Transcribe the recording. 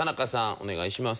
お願いします。